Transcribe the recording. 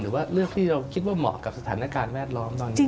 หรือว่าเลือกที่เราคิดว่าเหมาะกับสถานการณ์แวดล้อมตอนนี้